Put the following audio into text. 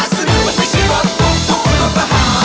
สวัสดีครับ